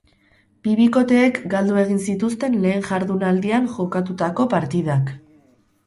Bi bikoteek galdu egin zituzten lehen jardunaldian jokatutako partidak.